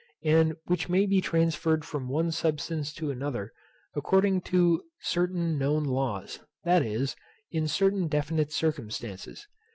and which may be transferred from one substance to another, according to certain known laws, that is, in certain definite circumstances.